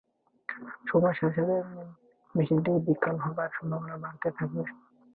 সময়ের সাথে সাথে মেশিনটি বিকল হবার সম্ভাবনাও বাড়তে থাকবে।